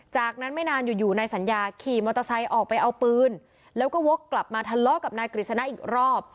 จากนั้นไม่นานอยู่อยู่นายสัญญาขี่มอเตอร์ไซค์ออกไปเอาปืนแล้วก็วกกลับมาทะเลาะกับนายกฤษณะอีกรอบ